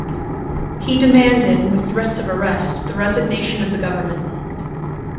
He demanded, with threats of arrest, the resignation of the government.